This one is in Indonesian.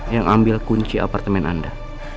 yang ambil kunci apartemen anda